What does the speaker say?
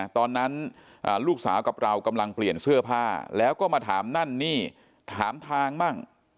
ตอนนั้นลูกสาวกับเรากำลังเปลี่ยนเสื้อผ้าแล้วก็มาถามนั่นนี่ถามทางมั่ง